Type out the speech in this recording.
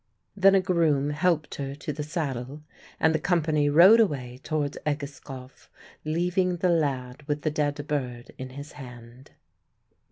Then a groom helped her to the saddle, and the company rode away towards Egeskov, leaving the lad with the dead bird in his hand.